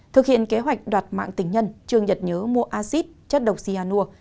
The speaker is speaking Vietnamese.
thực hiện kế hoạch đoạt mạng tình nhân trương nhật nhớ mua acid chất độc siyanur